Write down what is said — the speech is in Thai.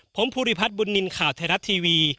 ผมภูริพัฒน์บุญนินทร์ข่าวไทยรัฐทีวี